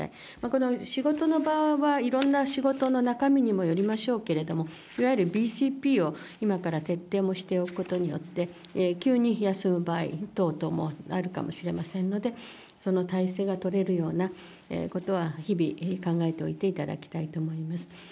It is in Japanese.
これ、仕事の場はいろんな仕事の中身にもよりましょうけれども、いわゆるＢＣＰを今から徹底をしておくことによって、急に休む場合等々もあるかもしれませんので、その態勢は取れるようなことは日々、考えておいていただきたいと思います。